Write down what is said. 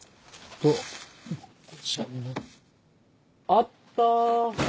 あった！